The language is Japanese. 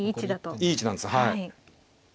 いい位置なんですはい。